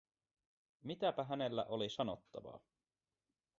Mitäpä hänellä oli sanottavaa?